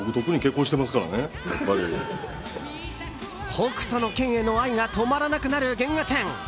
「北斗の拳」への愛が止まらなくなる原画展。